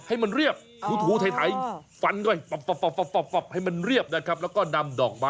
ให้มันเรียบถูไถฟันไว้ปับ